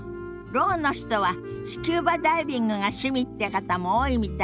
ろうの人はスキューバダイビングが趣味って方も多いみたいなの。